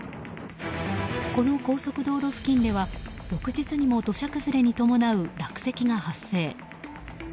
この高速道路付近では翌日にも土砂崩れに伴う落石が発生。